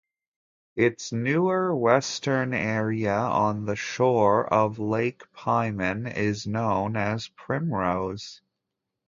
Its newer western area on the shore of Lake Pieman is known as Primrose.